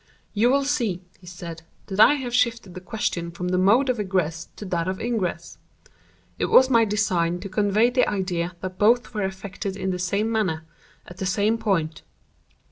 "You will see," he said, "that I have shifted the question from the mode of egress to that of ingress. It was my design to convey the idea that both were effected in the same manner, at the same point.